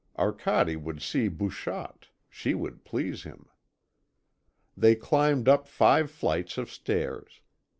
Arcade would see Bouchotte, she would please him. They climbed up five flights of stairs.